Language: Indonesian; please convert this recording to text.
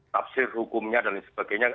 tafsir hukumnya dan lain sebagainya